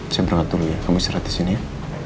saya berangkat dulu ya kamu istirahat disini ya